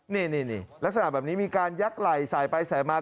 นี่ลักษณะแบบนี้มีการยักษ์ไหล่สายไปสายมา